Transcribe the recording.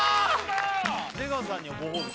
出川さんにはごほうび